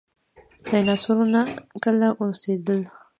ډیناسورونه کله اوسیدل؟